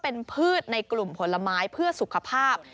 เป็นพืชในกลุ่มผลไม้เพื่อสุขภาพ